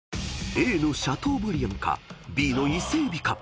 ［ＡのシャトーブリアンかＢの伊勢海老か］